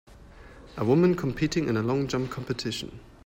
A woman competing in a long jump competition.